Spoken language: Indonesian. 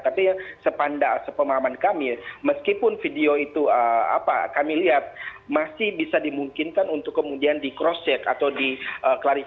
tapi sepandang sepemahaman kami meskipun video itu apa kami lihat masih bisa dimungkinkan untuk kemudian di cross check atau di klarifikasi oleh pihak kepolisian